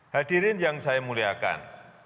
hadirin yang saya muliakan